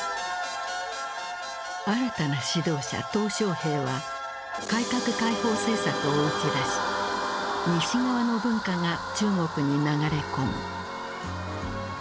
新たな指導者・小平は改革開放政策を打ち出し西側の文化が中国に流れ込む。